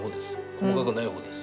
細かくない方です。